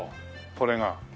これが。